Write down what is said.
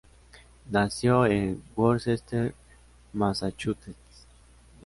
Nació en Worcester, Massachusetts.